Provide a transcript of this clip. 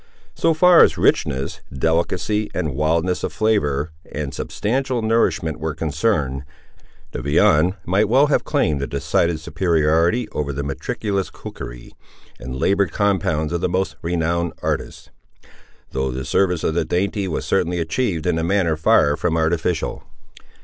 So far as richness, delicacy, and wildness of flavour, and substantial nourishment were concerned, the viand might well have claimed a decided superiority over the meretricious cookery and laboured compounds of the most renowned artist; though the service of the dainty was certainly achieved in a manner far from artificial.